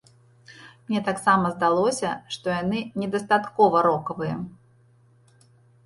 Мне таксама здалося, што яны недастаткова рокавыя.